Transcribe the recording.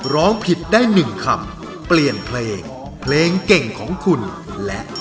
ร้องผิดได้๑คำ